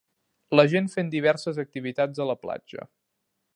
La gent fent diverses activitats a la platja.